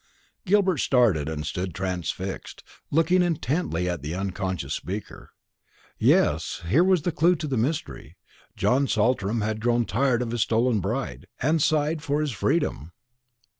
Gilbert started, and stood transfixed, looking intently at the unconscious speaker. Yes, here was the clue to the mystery. John Saltram had grown tired of his stolen bride had sighed for his freedom.